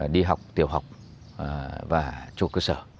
đi học tiểu học và trung học cơ sở